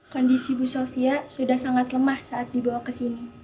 kondisi bu sofia sudah sangat lemah saat dibawa ke sini